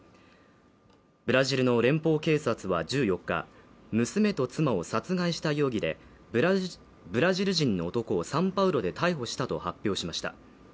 ブラジルの連邦警察は１４日、娘と妻を殺害した容疑で、ブラジル人の男をサンパウロで逮捕したと発表しました。